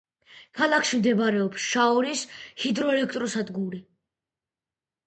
ქალაქში მდებარეობს შაორის ჰიდროელექტროსადგური.